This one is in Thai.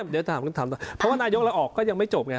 เดี๋ยวถามกันต่อเพราะว่านายยกและออกก็ยังไม่จบไง